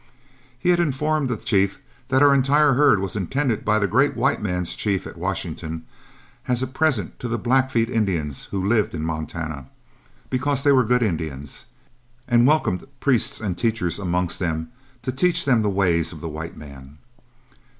He had us inform the chief that our entire herd was intended by the great white man's chief at Washington as a present to the Blackfeet Indians who lived in Montana, because they were good Indians, and welcomed priests and teachers amongst them to teach them the ways of the white man.